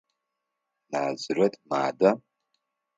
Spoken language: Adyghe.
Назирэт мада?